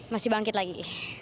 masih bangkit lagi